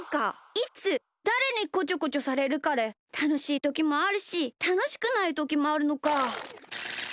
いつだれにこちょこちょされるかでたのしいときもあるしたのしくないときもあるのか。